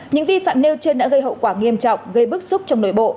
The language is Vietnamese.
những vi phạm nêu trên đã gây hậu quả nghiêm trọng gây bức xúc trong nội bộ